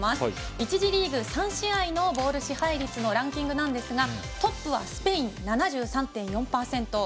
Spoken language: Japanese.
１次リーグ３試合のボール支配率のランキングですがトップはスペイン、７３．４％。